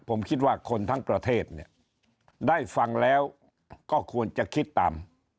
ผมคิดว่าคนทั้งประเทศเนี่ยได้ฟังแล้วก็ควรจะคิดตาม